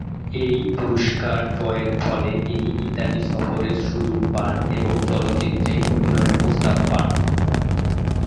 এই পুরস্কার জয়ের ফলে তিনি ইতালি সফরের সুযোগ পান এবং চলচ্চিত্রে অভিনয়ের প্রস্তাব পান।